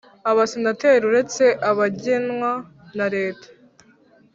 Abasenateri uretse abagenwa na leta